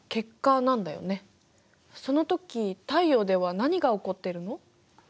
そのとき太陽では何が起こっているの？